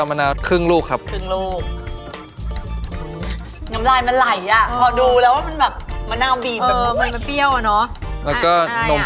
น้ำแดงก็ได้ครับ